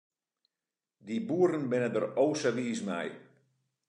Dy boeren binne der o sa wiis mei.